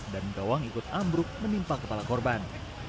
dan gawang ikut ambruk menimpa kepala korban